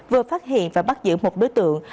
vừa phát hiện và bắt giữ một đối tượng